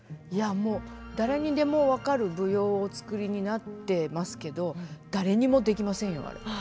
いやもう誰にでも分かる舞踊をお作りになってますけど誰にもできませんよあれ。